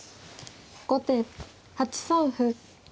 後手８三歩。